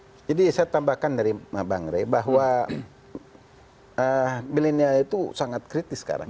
jadi saya tambahkan dari mbak ngeri bahwa milenial itu sangat kritis sekarang